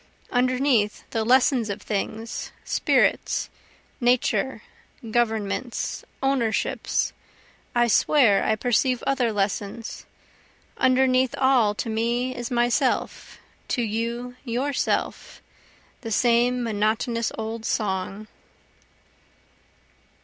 Underneath the lessons of things, spirits, Nature, governments, ownerships, I swear I perceive other lessons, Underneath all to me is myself, to you yourself, (the same monotonous old song.)